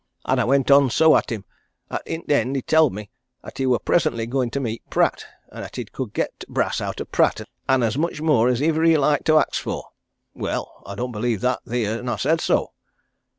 An' I went on so at him, 'at i' t' end he tell'd me 'at he wor presently goin' to meet Pratt, and 'at he could get t' brass out o' Pratt an' as much more as iwer he liked to ax for. Well, I don't believe that theer, and I said so.